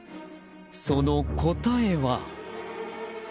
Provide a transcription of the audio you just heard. その答えは。